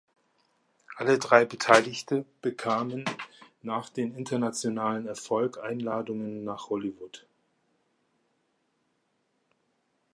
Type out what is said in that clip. Alle drei Beteiligte bekamen nach dem internationalen Erfolg Einladungen nach Hollywood.